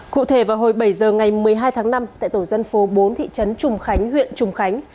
cụ thể vào hồi bảy giờ ngày một mươi hai tháng năm tại tổ dân phố bốn thị trấn trùng khánh huyện trùng khánh